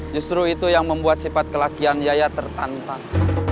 justru itu yang membuat sifat kelakian yaya tertantang